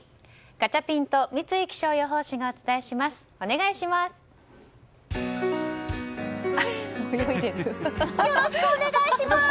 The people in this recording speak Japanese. ガチャピンと三井気象予報士がお伝えします、お願いします。